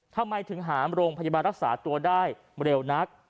ทำไมถึงหามโรงพยาบาลรักษาตัวได้เร็วนัก